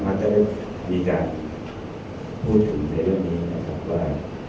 พระเจ้าเล็กมีการพูดทึ่งในเรื่องนี้น่ะครับว่า